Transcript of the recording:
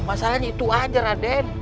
masalahnya itu aja raden